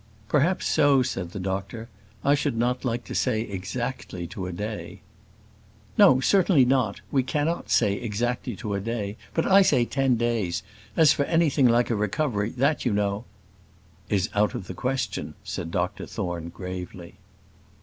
"Perhaps so," said the doctor. "I should not like to say exactly to a day." "No, certainly not. We cannot say exactly to a day; but I say ten days; as for anything like a recovery, that you know " "Is out of the question," said Dr Thorne, gravely.